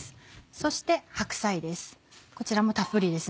そして白菜です